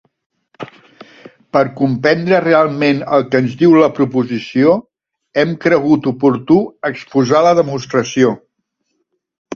Per comprendre realment el que ens diu la proposició hem cregut oportú exposar la demostració.